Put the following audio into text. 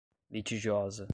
litigiosa